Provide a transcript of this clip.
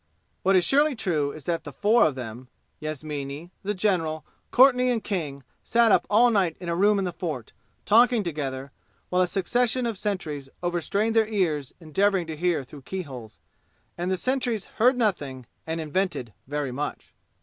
What is surely true is that the four of them Yasmini, the general, Courtenay and King sat up all night in a room in the fort, talking together, while a succession of sentries overstrained their ears endeavoring to hear through keyholes. And the sentries heard nothing and invented very much.